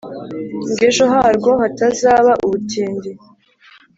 Ngo ejo harwo hatazaba ubutindi